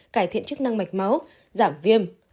cải thiện chức năng mạch máu giảm viêm